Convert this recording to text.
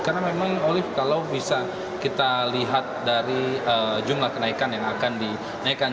karena memang olive kalau bisa kita lihat dari jumlah kenaikan yang akan dinaikan